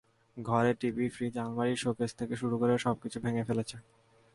ঘরের TV, fridge, আলমারি, showcase থেকে শুরু করে সবকিছু ভেঙে ফেলেছে।